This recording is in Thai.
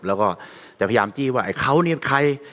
แล้วก็จะพยายามจี้ว่าไอ้เขาเนี่ยใคร